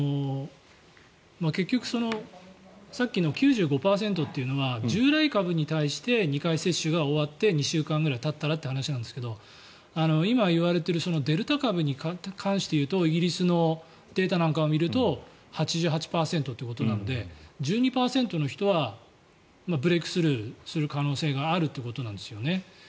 結局、さっきの９５％というのは従来株に対して２回接種が終わって２週間ぐらいたったらという話なんですけど今いわれているデルタ株に関していうとイギリスのデータなんかを見ると８８％ということなので１２％の人はブレークスルーする可能性があるということですよね。